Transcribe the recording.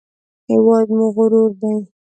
هېواد مو غرور دی